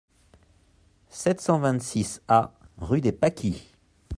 sept cent vingt-six A rue des Pâquis